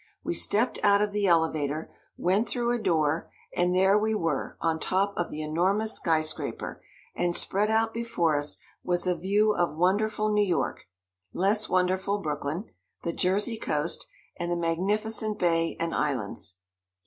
We stepped out of the elevator, went through a door, and there we were on top of the enormous sky scraper, and spread out before us was a view of wonderful New York, less wonderful Brooklyn, the Jersey coast, and the magnificent bay and islands.